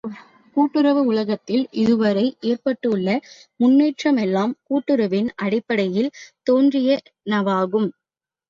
கூட்டுறவு உலகத்தில் இதுவரை ஏற்பட்டுள்ள முன்னேற்றமெல்லாம் கூட்டுறவின் அடிப்படையில் தோன்றியனவாகும்.